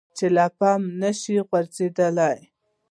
چې له پامه نشي غورځیدلی.